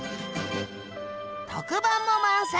特番も満載！